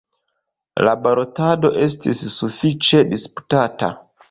La balotado estis sufiĉe disputata.